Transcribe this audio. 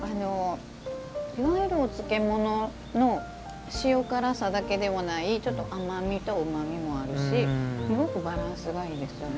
お漬物の塩辛さだけでないちょっと甘みとうまみもあるしすごくバランスがいいですね。